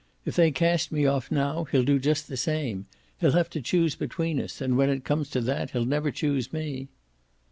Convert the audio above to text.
If they cast me off now he'll do just the same. He'll have to choose between us, and when it comes to that he'll never choose me."